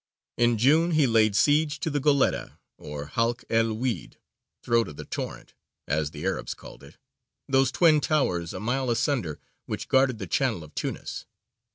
In June he laid siege to the Goletta or halk el wēd, "throat of the torrent," as the Arabs called it those twin towers a mile asunder which guarded the channel of Tunis.